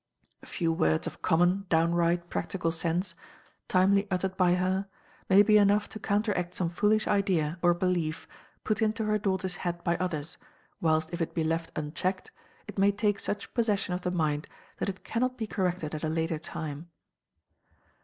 A few words of common, downright practical sense, timely uttered by her, may be enough to counteract some foolish idea or belief put into her daughter's head by others, whilst if it be left unchecked, it may take such possession of the mind that it cannot be corrected at a later time.